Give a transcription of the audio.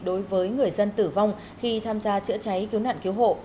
đối với người dân tử vong khi tham gia chữa cháy cứu nạn cứu hộ